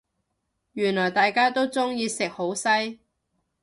原來大家都咁鍾意食好西